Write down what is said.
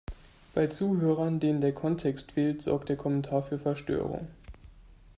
Bei Zuhörern, denen der Kontext fehlt, sorgt der Kommentar für Verstörung.